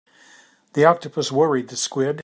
The octopus worried the squid.